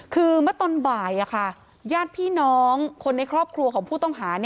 คือเมื่อตอนบ่ายญาติพี่น้องคนในครอบครัวของผู้ต้องหา